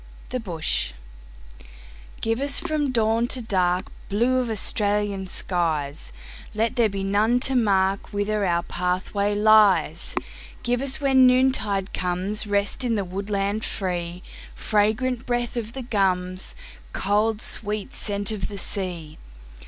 The Bush GIVE us from dawn to darkBlue of Australian skies, Let there be none to markWhither our pathway lies. Give us when noontide comesRest in the woodland free—Fragrant breath of the gums, Cold, sweet scent of the sea.